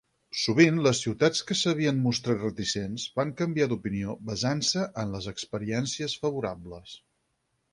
Sovint les ciutats que s'havien mostrat reticents van canviar d'opinió basant-se en les experiències favorables.